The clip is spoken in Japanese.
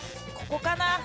ここかな？